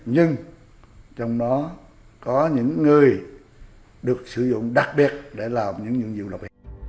nhưng trong đó có những người được sử dụng đặc biệt để làm những dụng lập